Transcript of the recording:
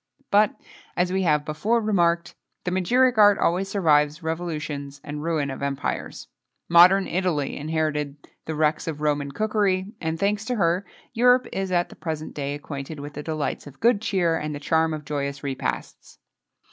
But, as we have before remarked, the magiric art always survives revolutions and ruin of empires. Modern Italy inherited the wrecks of Roman cookery, and, thanks to her, Europe is at the present day acquainted with the delights of good cheer, and the charm of joyous repasts.